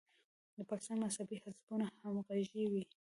د پاکستان مذهبي حزبونه همغږي وو.